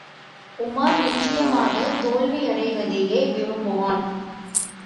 உமார் நிச்சயமாகத் தோல்வியடைவதையே விரும்புவான்.